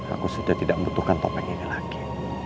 aku sudah tidak membutuhkan topeng ini lagi